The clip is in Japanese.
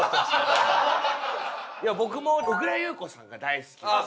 僕も小倉優子さんが大好きなんで。